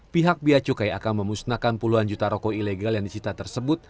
pihak bia cukai akan memusnahkan puluhan juta rokok ilegal yang disita tersebut